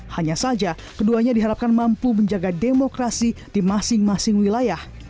hanya saja keduanya diharapkan mampu menjaga demokrasi di masing masing wilayah